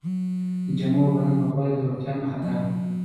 د جامو او بدن پاکوالی د روغتیا نښه ده.